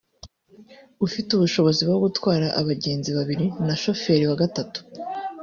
Ifite ubushobozi bwo gutwara abagenzi babiri na shoferi wa gatatu